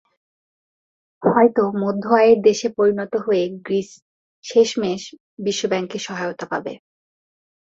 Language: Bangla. হয়তো মধ্য আয়ের দেশে পরিণত হয়ে গ্রিস শেষমেশ বিশ্বব্যাংকের সহায়তা পাবে।